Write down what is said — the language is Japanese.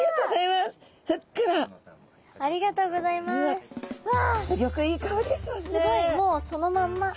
すごいもうそのまんま。